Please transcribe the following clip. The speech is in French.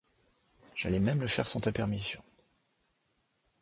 J’allais même le faire sans ta permission.